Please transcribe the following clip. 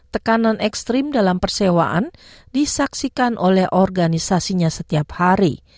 tekanan ekstrim dalam persewaan disaksikan oleh organisasinya setiap hari